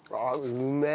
うめえ！